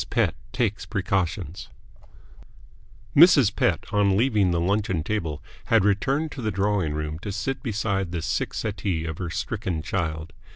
PETT TAKES PRECAUTIONS Mrs. Pett, on leaving the luncheon table, had returned to the drawing room to sit beside the sick settee of her stricken child.